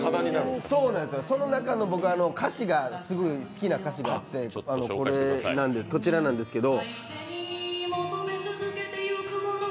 その中にすごい好きな歌詞があって、こちらなんですけど。